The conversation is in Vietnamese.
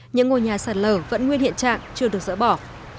những ngôi nhà sạt lở vẫn nguyên hiện trạng chưa được dỡ bỏ